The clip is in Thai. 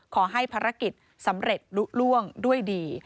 ขอให้ภารกิจสำเร็จลุล่วงด้วยดี